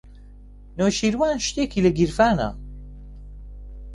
نەوشیروان شتێکی لە گیرفانە.